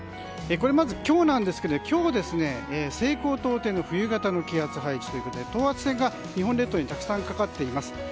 これ、まず今日なんですが西高東低の冬型の気圧配置ということで等圧線が日本列島にたくさんかかっています。